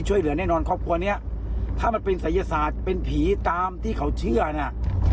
วันนี้ถ้ามันเป็นศัยศาสตร์เป็นผีตามที่เขาเชื่อนะ